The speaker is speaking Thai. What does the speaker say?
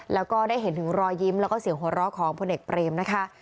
แล้วก็ได้เห็นถึงรอยยิ้มแล้วก็เสียงหัวเราะของพลเอกเปรมนะคะ